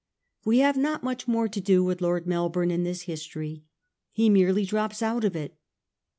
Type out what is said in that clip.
We have not much more to do with Lord Mel bourne in this history. He merely drops out of it.